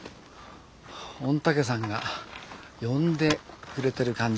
御嶽山が呼んでくれてる感じ？